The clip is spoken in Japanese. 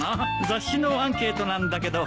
雑誌のアンケートなんだけど。